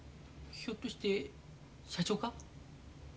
ひょっとして社長か。